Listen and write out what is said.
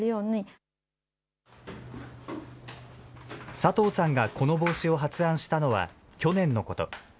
佐藤さんがこの帽子を発案したのは去年のこと。